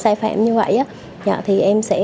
sản phẩm như vậy á thì em sẽ